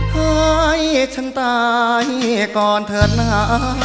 ให้ฉันตายก่อนเถิดนะ